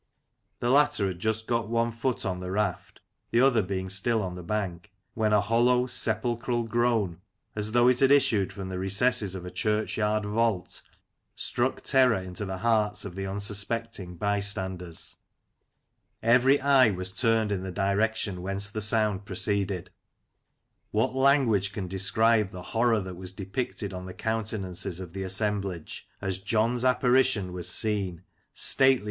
The latter had just got one foot on the raft, the other being still on the bank, when a hollow, sepulchral groan, as though it had issued from the recesses of a churchyard vault, struck terror into the hearts of the unsuspecting bystanders. Every eye was turned in the direction whence the sound proceeded. What language can describe the horror that was depicted on the counten ances of the assemblage, as John's apparition was seen, stately no Lancashire Characters and Places.